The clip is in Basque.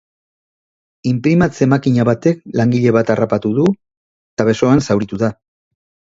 Inprimatze makina batek langile bat harrapatu du eta besoan zauritu da.